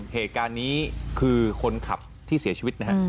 เหตุการณ์นี้คือคนขับที่เสียชีวิตนะฮะ